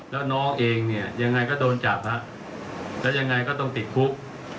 แล้วน้องเองเนี่ยยังไงก็โดนจับแล้วแล้วยังไงก็ต้องติดคุก